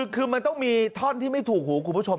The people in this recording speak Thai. คือมันต้องมีท่อนที่ไม่ถูกหูคุณผู้ชม